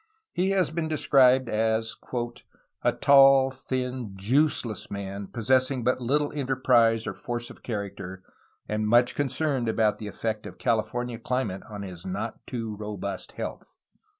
He has been described as "a tall, thin, juiceless man, possessing but little enterprise or force of character, and much concerned about the effect of Califor nia climate on his not too robust health."